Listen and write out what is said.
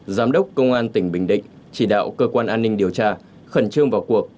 giám đốc công an tỉnh bình định chỉ đạo cơ quan an ninh điều tra khẩn trương vào cuộc